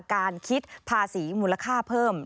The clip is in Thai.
การคิดภาษีมูลค่าเพิ่ม